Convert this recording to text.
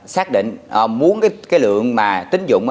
xác định muốn cái lượng tính dụng